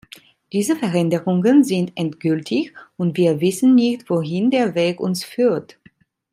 Diese Veränderungen sind endgültig, und wir wissen nicht, wohin der Weg uns führt.